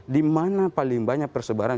di mana paling banyak persebaran